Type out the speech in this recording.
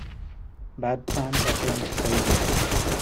Bad plans are prone to failure.